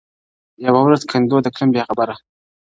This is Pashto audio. يوه ورځ كندو ته تلمه بېخبره،